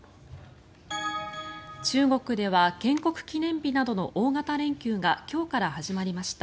中国では建国記念日などの大型連休が今日から始まりました。